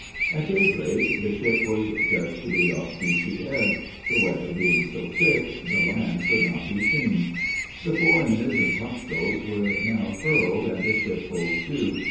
At daybreak, the ship was judged to be off Beachy Head; the weather being so thick, the land could not be seen. The fore and mizzen topsails were now furled, and the ship hove to.